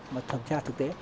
mà thẩm tra thực tế